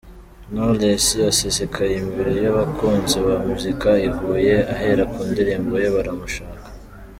" Knolwless asesekaye imbere y’abakunzi ba muzika i Huye ahera ku ndirimbo ye ’Baramushaka".